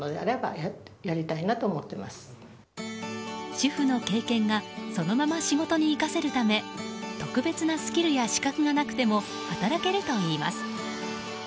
主婦の経験がそのまま仕事に生かせるため特別なスキルや資格がなくても働けるといいます。